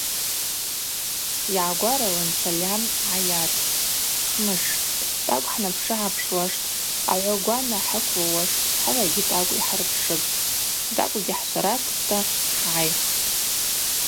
Йгӏагваралын сальам гӏайархтӏ: Хмыш, тӏакӏв хӏнапшыгӏапшуаштӏ, агӏвагвана хӏыквылуаштӏ, хӏылагьи тӏакӏв йхӏырпшыпӏ, тӏакӏвгьи хӏшварацпӏта хӏгӏайхпӏ.